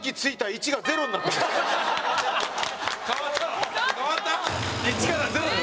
１から０に。